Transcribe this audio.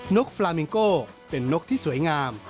กฟราเมงโก้เป็นนกที่สวยงาม